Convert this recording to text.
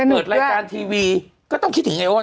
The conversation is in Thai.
เปิดรายการทีวีก็ต้องคิดถึงไอ้โอ้น